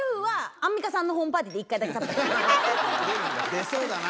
出そうだな。